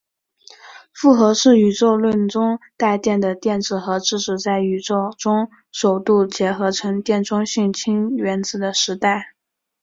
复合是宇宙论中带电的电子和质子在宇宙中首度结合成电中性氢原子的时代。